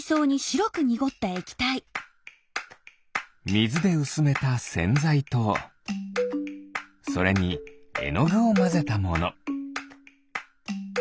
みずでうすめたせんざいとそれにえのぐをまぜたもの。